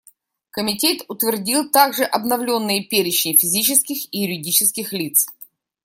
Комитет утвердил также обновленные перечни физических и юридических лиц.